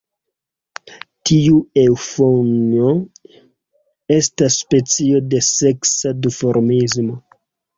Tiu eŭfonjo estas specio de seksa duformismo.